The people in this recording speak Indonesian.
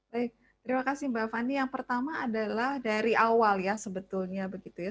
baik terima kasih mbak fani yang pertama adalah dari awal ya sebetulnya begitu ya